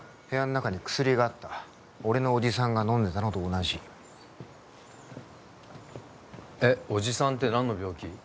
部屋の中に薬があった俺の叔父さんが飲んでたのと同じえっ叔父さんって何の病気？